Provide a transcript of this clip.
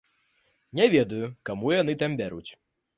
Не ведаю, каму яны там бяруць.